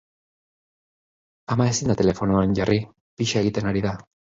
Ama ezin da telefonoan jarri, pixa egiten ari da.